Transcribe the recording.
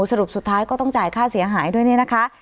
สรุปสุดท้ายก็ต้องจ่ายค่าเสียหายด้วยเนี่ยนะคะ